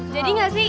jadi gak sih